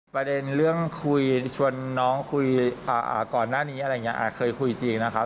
ประเด็นเรื่องคุยชวนน้องคุยก่อนหน้านี้อะไรอย่างนี้เคยคุยจริงนะครับ